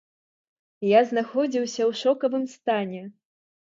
Я знаходзіўся ў шокавым стане.